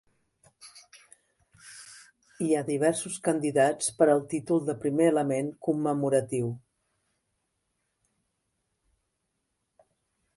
Hi ha diversos candidats per al títol de primer element commemoratiu.